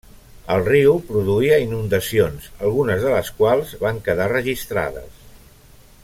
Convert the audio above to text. El riu produïa inundacions algunes de les quals van quedar registrades.